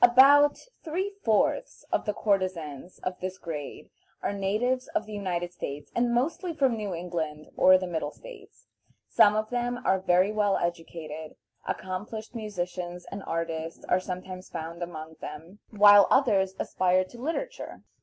About three fourths of the courtesans of this grade are natives of the United States, and mostly from New England or the Middle States. Some of them are very well educated; accomplished musicians and artists are sometimes found among them, while others aspire to literature.